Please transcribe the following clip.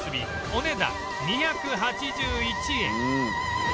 お値段２８１円